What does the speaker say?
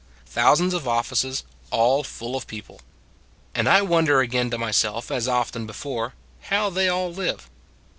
Thousands of offices, all full of people. And I wonder again to myself, as often before, how they all live.